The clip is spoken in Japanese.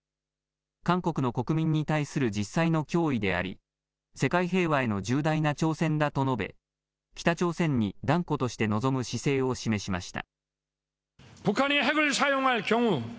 韓国の国民に対する実際の脅威であり世界平和への重大な挑戦だと述べ、北朝鮮に断固として臨む姿勢を示しました。